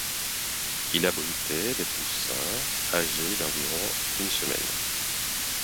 Il abritait des poussins âgés d’environ une semaine.